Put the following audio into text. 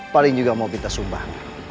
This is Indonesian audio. paling juga maaf kita sumbah